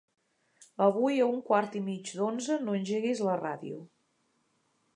Avui a un quart i mig d'onze no engeguis la ràdio.